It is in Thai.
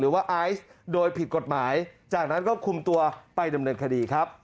หมายจากนั้นก็คุมตัวไปดำเนินคดีครับ